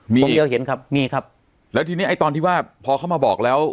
มีคนเดียวเห็นครับมีครับแล้วทีนี้ไอ้ตอนที่ว่าพอเขามาบอกแล้ว